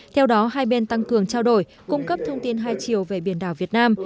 theo đó hai bên tăng cường trao đổi cung cấp thông tin hai chiều về biển đảo việt nam